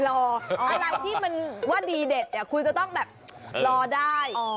อะไรที่มันว่าดีเด็ดคุณจะต้องแบบรอได้